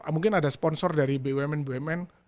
mungkin ada sponsor dari bumn bumn